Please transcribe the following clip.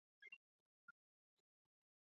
na kuchapishwa katika maktaba ya utafiti kuhusu dawa